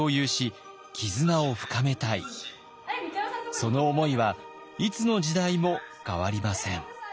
その思いはいつの時代も変わりません。